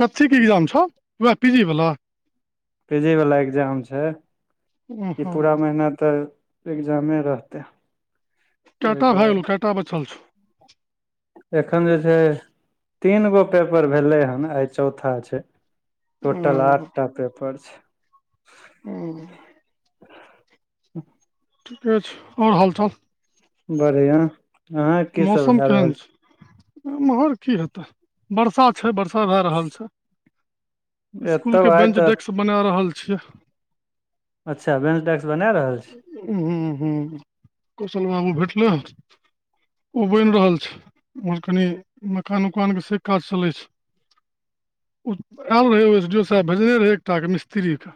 कथीके इग्जाम छौ उएह पी जी वला पी जी वला एग्जाम छै ओ ई हँ पूरा महीना तऽ इग्जामे रहतै ओहि कैएटा भइल दुआरे कैटा बचल छौ एखन जे छै तीन गो पेपर भेलै हन आइ चौथा छै। छौ टोटल ओ आठ टा पेपर छै हुँ ठीके छै आओर हालचाल बढ़ियाँ अहॉंके की सब मौसम भए केहन रहल छै। एम्हर की हेतै। वर्षा छै वर्षा भए रहल छै छै स्कूल एतौ के आइ बेंच तऽ डेस्क। बना रहल छियै। अच्छा बेंच डेक्स बना रहल छियै। हुँ हुँ हुँ कौशल बाबू भेटलै उ बनि रहल छै ओम्हर कनी मकान उकानके से काज चलै छै उ आयल रहै ओ एस डी ओ सैहेब भेजने रहै एकटाके मिस्त्रीके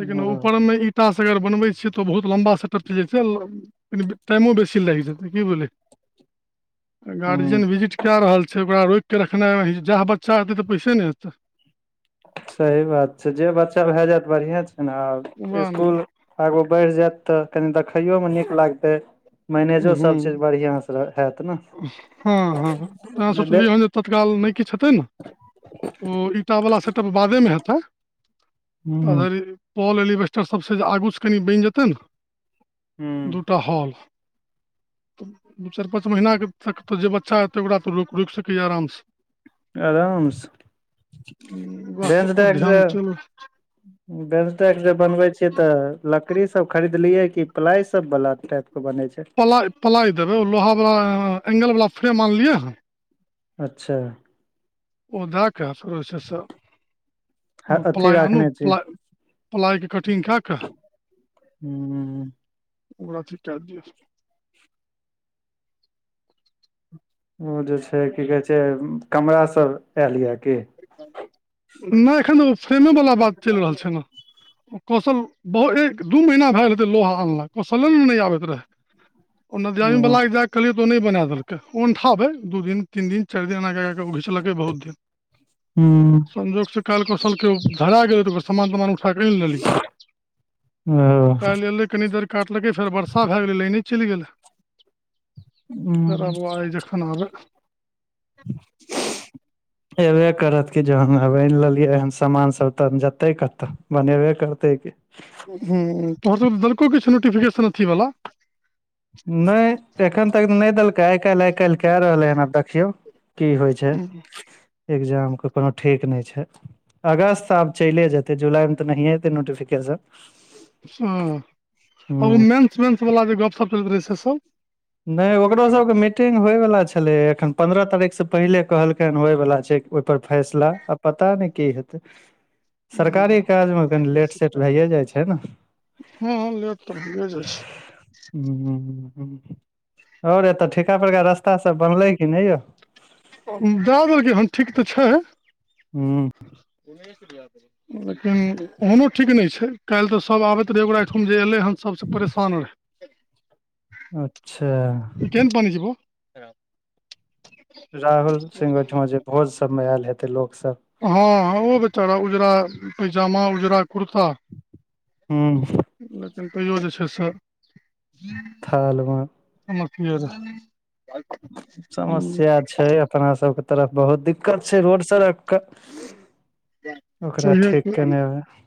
लेकिन ह ऊपरमे ईंटासँ अगर बनबै छियै तऽ बहुत लम्बा सेटप चलि जाय छै लेकिन टाइमो बेसी लागि जेतै की बुझलियै आ ह गार्जियन विजिट कै रहल छै। ओकरा रोकि कऽ रखने रहै छै जैह बच्चा हय छै तऽ पैसे ने हेतै। सही बात छै जे बच्चा भए जायत बढ़ियाँ छै ने आब वएह ने स्कुल। आगू बढ़ि जायत तऽ कनि देखैयो मे नीक लागते मैनेजो उहूँ सब चीज बढ़ियाँ से। पर हेत ने। हँ हँ अहाँ सोचलियै हन जे तत्काल नय किछ हेतै ने। ओ ईंटा वाला सेटप बादे मे हेतै ह ताधरि। पॉल एलिवेस्टर सबसँ जे आगूसँ कनि बनि जेतै न दूटा हॉल। दू चारि पाँच महीना तक तऽ जे बच्चा हेतै ओकरा तऽ रो रोकि सकैए आरामसँ। आराम से हुँ वैह बेंच सब पर डेस्क जे ध्यान चलू [inaudible] बेंच डेक्स जे बनबै छिये तऽ लकड़ी सब खरीदलियै की प्लाइ सब वाला टाइप के बनै छै। प्लाइ प्लाय देबै ओ लोहा वला एंगल बला फ्रेम आनलियै हन अच्छा। ओ दऽ के शुरू से स। अथी प्लाइ आनू राखने छियै प्लाइ प्लाइके कटिंग कए कऽ। हुँ ओकरा अथि कै दियौ। ओ जे छै की कहै छै कमरा सब आयल ये की। नय एखन ओ फ्रेमेवला बात चलि रहल छै न। कौशल बहु एक दू महीना भए गेल हेतै लोहा अनला कौशले ने नय आबैत रहै। ओ नदियामी हूँ बला के जाइक। कहलियै तऽ ओ नै बना देलकै अनठाबै दू दिन तीन दिन चारि दिन एना कए कए कऽ घिचलकै बहुत दिन। हूँ संजोग स काल कोसल के धरा गेलै त ओकर समान तमान। ाकी तऽ ओ काल। [unintelligible] कनी देर काटलकै फेर बर्षा भए गेलै लाइने चलि गेलै। फेर हूँ आबवाज जखना आबै। एबे करत कि जहन अब आईन लेलियै हन समान सब तह जेते कतऽ बनेबे करते कि। हूँ तोहर सब देलको किछ नोटिफिकेशन अथी बाला। नै एखन तक त नै देलकै आइ काल्हि आइ काल्हि कए रहलै हन आब देखियौ। की होइ छै हँ एग्जामके कोनो ठीक नै छै। अगस्त आब चलि जेतै जुलाईमे तऽ नहिए जेतै नोटिफिकेशन। हूँ ओ हूँ मेन्स वेन्सवला जे गपशप करलैत रहै से सब। नै ओकरो सबके मीटिंग होइ बला छलैय एखन पन्द्रह तारीख से पहिले कहलखैन होय बाला छै। ओयपर फैसला आ पता नै की हेतै। [inaudible] सरकारी काजमे कनि लेटसेट भैए जाइ छै न। हँ हँ लेट त भयेजाय छै। [unintelligible] आओर एतऽ ठीका पड़का रास्ता सब बनलै कि नै यौ। दए देलकै हन ठीक तऽ छै। हूँ ओन सु दिय [unintelligible] लेकिन ओहनो ठीक नै छै काल्हि तऽ सब आबैत रहै ओकरा अईठाम जे एलै हन सबसे परेशान अच्छा [unintelligible] ह। [unintelligible] राहुल सिंह ओहिठमा जे भोज सबमे आएल हेतै लोक सब। हँँ ओ बेचारा उज़रा पैजामा उजरा कुर्ता। हूँ। लेकिन तइयो जे छै से थाल मे समथ रहए [unintelligible] समस्या छै अपना सबके तरफ बहुत दिक्कत छै रोड सड़कके ओकरा ठीक कनेए रहए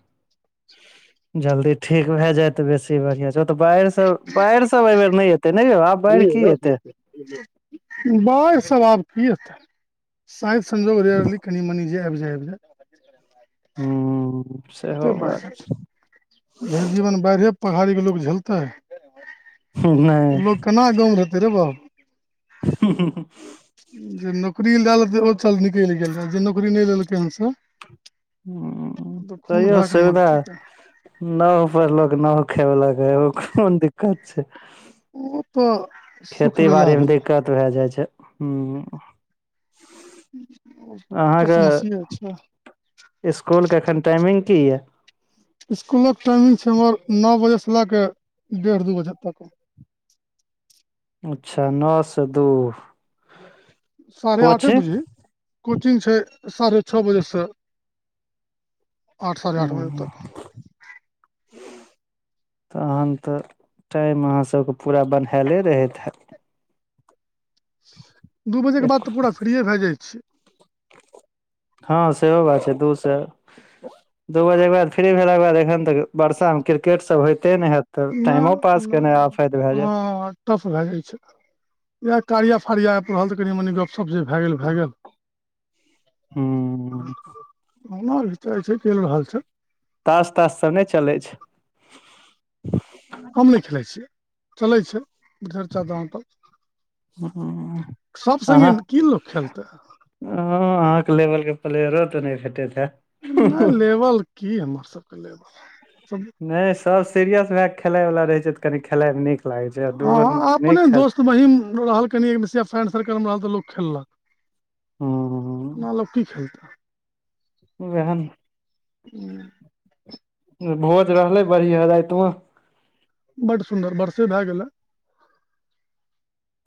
जल्दी ठीक भए जाए तऽ बेसी बढ़ियाँ छै ओतऽ बाढ़िस बाढ़ि सब एई बेर नै एतै नै यौ आब बाढ़ि की ऐतय। बाढ़ि सब आब की एते शायद संजोग रेयरली कनि मनी जे आबि जाय हूँ कते सेहो बात बाढ़ि [unintelligible] भैर जीवन बाढ़िए पहाड़ीके लोक झेलताय नहि लोक केना गाँवमे रहतै रे बाउ। ह। [unintelligible] जे नौकरी लए लतै ओ चल निकलि गेल जे नौकरी नै लेलकै हन से। हँ तऽ खून तहियो भए कऽ सुविधा। मरतै तऽ नाव पर लक नाव खेए बला एगो खोन दिक्कत छै। उ त। खेती बाड़ीमे दिक्कत भए जाइ छै हूँ। ओ तऽ अहाँके समस्ये छै इसकुलके एखन टाइमिंग की यैऽ। इसकुलक टाइमिंग छै हमर न बजेसँ लए कऽ डेढ़ दू बजे तक। अच्छ नऽ स दू। साढ़े आठे कोचिंग बजे कोचिंग छै साढ़े छ बजे स। [inaudible] [unintelligible] [inaudible] तहन तऽ टाइम अहाँ सब कऽ पूरा बंहेले रहैत हैत। दू बजे केँ एक बाद तऽ पूरा फ्रिए भै जाइ छी। हँ सेहो बात छै दू स दू बजे कऽ बाद फ्री भेला कऽ बाद एखन तक बर्षा में क्रिकेट सब होयते नै हैत तऽ छियै टाइमो नहि पास केना नहि आफेत भै जाय। हँ टफ भै [inaudible] जाइ छै इहै कारिया फाड़िया ऐप रहल तऽ कनि मनी गपशप जे भै गेलभै गेल [unintelligible] हूँ ओहिना धिचाई छै चैल रहल छै। तास तास सब नै चलै छै। हम नै खेलाइ छि यै चलै छै [unintelligible] दलान पर। सभ संगे की लोक खेलतै। हऽ अहाँकेँ लेवल कऽ प्लेयरो तऽ नै भेटैत है नै लेवल की हमर सब कऽ लेवल [inaudible] सब। नै सब सीरियस भै केँ खेलाय वला रहे छै तऽ कनी खेलाय में नीक लागे छै। दूगो हँ नहि अपने खेल दोस्त महीम रहल कनि एक [unintelligible] सर्कलमे रहल तऽ लोक खेललक। [inaudible] हूँ ऐना लोक की खेलतो। उहै नै खेलतै [inaudible] भोज रहलै बढ़िआ राइत मऽ। बड सुन्दर वर्षे भै गेल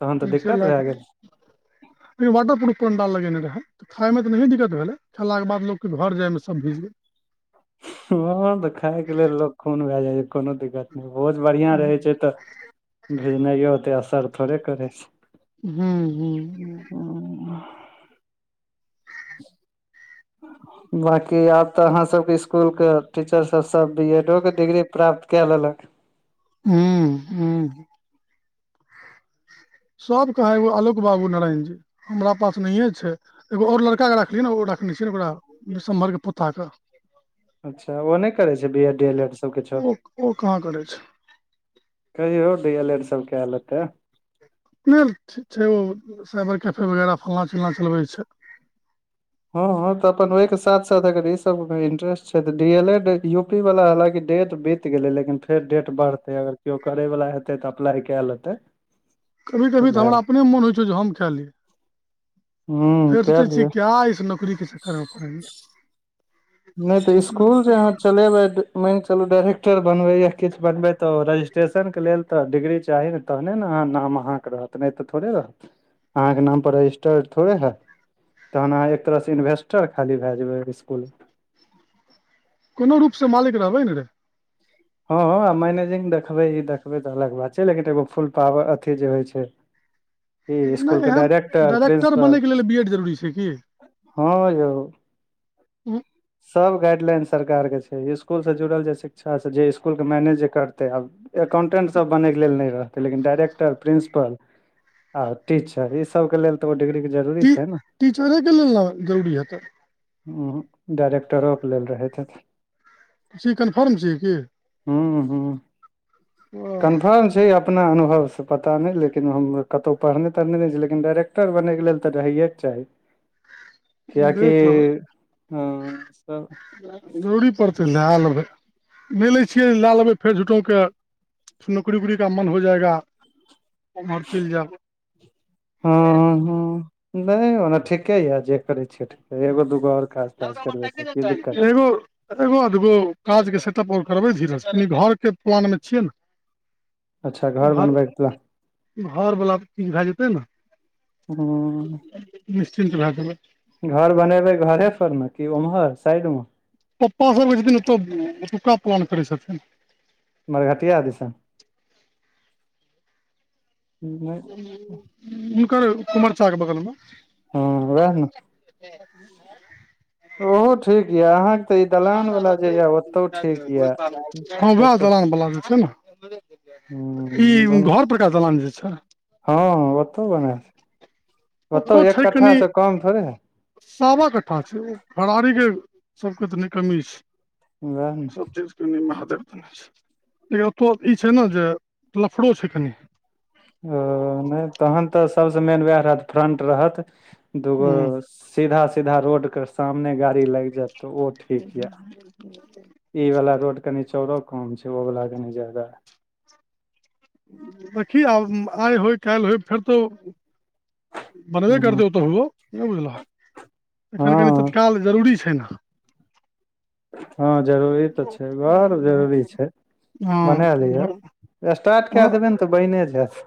तहन तऽ [inaudible] दिक्कत भए गेल खाली वाटर प्रूफ पंडाल लगेने रहे। खाय मे तऽ नहिए दिक्कत भेलै खेला केँ बाद लोक कऽ घर जाइमे सब भीज गेले। हँ तऽ खायकेँ लेल लोको खून भै जाइ छै कोनो दिक्कत नै भोज बढ़िआ रहै छै तऽ भीजनायो ओते असर थोड़े करै छै। [unintelligible] बकी आब तऽ अहाँ सब कऽ इसकुल कऽ। टीचर सब सब बी एडो कऽ डिग्री प्राप्त कै लेलक। [unintelligible] सब कहै ओ आलोक बाबू नारायण जी हमरा पास नै हे छै। एगो और लड़का कऽ राखलियै न ओ रखने छियै न ओकरा विषम्हर कऽ पोता कऽ। अच्छा ओ नहि करै छै B Ed D L Ed सब किछो [unintelligible] ओ ओ कहाँ करै छै। कहियौ डी एल एड सब कै लेतै। नै ठीक छै ओ साइबर कैफे वगैरह फल्ना चिलना चलबै छै। हऽ हऽ तऽ अपन ओइ केँ साथ साथ अगर ई सब इंटेस्टइ छै त D L A U P वला हालकि डे बि त गेलै लेकिन फेर डेट बढ़तै अगर केओ करे वला हेतै तऽ अप्लाई कै लेतै। कभी कभी तऽ हमरा अपने मोन होइ छै जे हम कै ली हूँ [inaudible] फेर कए दियौ सोचै छियै [unintelligible] नै तऽ इसकूल जे यहाँ चलेबै माइन कऽ चलू डाइरेक्टर बनबै या किछ बनबै तऽ ओ रजिस्ट्रेशन कऽ लेल तऽ डिग्री चाही न। तहने न नाम अहाँ कऽ रहत नै तऽ थोड़े रहत अहाँकेँ नाम पर रजिस्टर्ड थोड़े हैत। तहन अहाँ एक तरहसँ इन्वेस्टर खाली भै जेबै ओइ इसकुल म कोनो रूप स मालिक रहबै न रे। हऽ मैनेजिंग देखबै ई देखबै तऽ अलग बात छै लेकिन एगो फुल पावर अथी जे होइ छै। ई [inaudible] नै स्कुल के एहन डायरेक्टर डाइरेक्टर बनै केँ लेल बी एड जरू छै की। हऽ यौ। हँ सब गाइडलाइन सरकारके छै इस्कूल से जुड़ल जे शिक्षासँ जे इस्कूलके मैनेज जे करतै आब। अकाउंटेंट सभ बनैके लेल नहि रहतै लेकिन डाइरेक्टर प्रिंसिपल आ टीचर ई सबके लेल तऽ ओ डिग्रीक के जरूरी टी छै ने टीचरे के लेल ने जरूरी हेतै डाइरेक्टरोके लेल रहैत छी कन्फर्म छी हुँ हूँ ओ कनफर्म। छै अपना अनुभव से पता नहि लेकिन हम कतौ पढ़ने तढ़ने नहि छी लेकिन डायरेक्ट। डॉक्टर बने के लेल त रहयए के चाही। [inaudible] कियाकि देख लेबै अ जरूरी पड़तै लए लेबै म लै छियै लए लेबै फेर झुटोके नौकरी उकरी का मन हो जाएगा आर चैल जाउ हँ हँ हँ नहि ओने ठीके यऽ जे करै छी। अच्छा ठ एगो दुगो आओर काज ताज करबै तऽ की दिक्कत छै। एगो एगो अधगो काजके सेटप आओर करबै धीरे कनि घरके प्लानमे छियै ने अच्छा घर बनबैके घर वला चीज भए जेतै ने हुँ निश्चिन्त भए कऽ घर बनेबे घरे पर ने की उम्हर साइड मे पप्पा सब [unintelligible] रहै छथिन ओतऽ ओतुका प्लान करै छथिन। मर घाटिया दिशा नहि। हुनकर कुमार चाह के बगल मे हँ वएह ह [inaudible] ओहो ठीक यऽ तऽ ई [inaudible] दलान वाला जे यऽ ओतौ ठीक यऽ हँ उएह एतऽ दलान बला जे छै ने। ई हूँ दुन घर पर कऽ दलान जे छै हँ ओतहु बना ओतहु ओतौ एक छै कट्ठा कनि से कम थोड़े सावा कट्ठा छै ओ फरारी के सबके तनी कमी छै वएह ने सब चीज महादेवने ई छै ने जे लफड़ो छै कनि ओ नहि तहन तऽ सबसँ मेन उएह रहत फ्रंट रहत ह दूगो सीधा सीधा रोड के सामने गाड़ी लाग जायत तऽ ओ ठीक यऽ ई वाला रोड कनी चारो कम छै ओ वाला कनी ज्यादा। देखि आब आय होय काल्हि होय फेर तो बनबे हूँ करतै ओतऽहुओ नहि बुझलक एखन कनि हँ तत्काल जरूरी छै ने हँ जरूरी तऽ छै घर जरूरी छै बना लियो हँ स्टार्ट कए देबै ने तऽ बैने जायत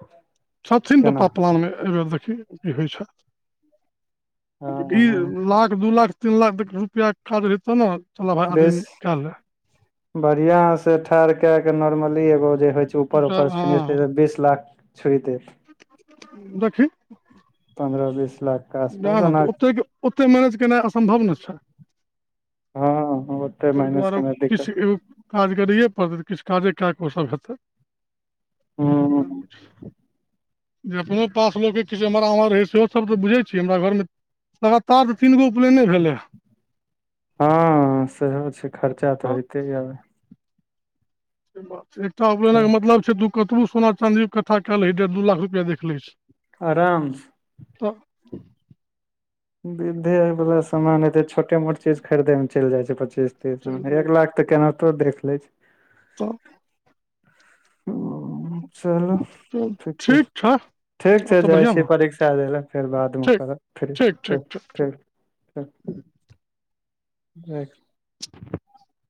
छथिन तऽ केना पापा पलानमे एहि बेर देखियौ की होइ छै हँ हँ लाख दू लाख तीन लाख तक रुपैआ खर्ज हेतौ ने चलऽ भाइ आदम कए बढ़ियाँ से ठार के के नोर्मली एगो जे होइ छै ऊपर उपर फनिश बीस लाख छु दे छै देखही पन्द्रह बीस लाख के इएह आसपास न तऽ ओना ओते ओतेक मैनेज केनाइ असम्भव न छै हँ ओते तै माइनस दुवारे केना किस दिक्कत इ काज करैए पड़तै तऽ किछु काजे कए कऽ ओसभ हेतै [inaudible] हूँ जे अपनो पास लोके किछु एम्हर आम्हर रहेै सेहो सब तऽ बुझै छै छी हमरा घरमे लगातार तऽ तीन गो उपनयने भेलैँ हन हँ सेहो छै खर्चा तऽ हँ होइते ये अब से एकटा उपलइनक मतलब छै तू कतबू सोना चाँदी इक्ट्ठा कै लही डेढ़ दू लाख रुपया देख लै छै आराम स तऽ विद्धे आओर वाला सामान एते छोटे मोट चीज खरीदै मे चलि जाइ छै पच्चीस चलि तीस एक लाख तऽ केनाहितो देख लै छै तऽ ओ चलू तऽ ठीके ठीक छै ठीक छै आओर सब जाइ बढ़िआँ छी ने परीक्षा दै ले फेर बादमे ठीक करब फ्री ठीक ठीक ठीक [inaudible] राखि [inaudible]